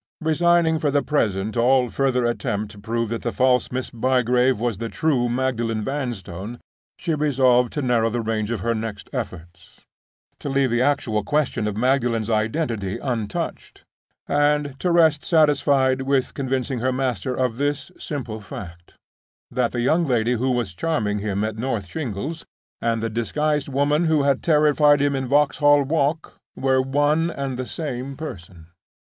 Resigning for the present all further attempt to prove that the false Miss Bygrave was the true Magdalen Vanstone, she resolved to narrow the range of her next efforts; to leave the actual question of Magdalen's identity untouched; and to rest satisfied with convincing her master of this simple fact—that the young lady who was charming him at North Shingles, and the disguised woman who had terrified him in Vauxhall Walk, were one and the same person.